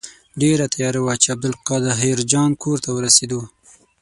ډېره تیاره وه چې عبدالقاهر جان کور ته ورسېدو.